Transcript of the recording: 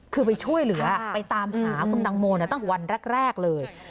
คือไปช่วยเหลือไปตามหาคุณตังโมตั้งแต่วันแรกเลย